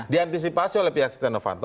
diantisipasi oleh pihak sidenovanto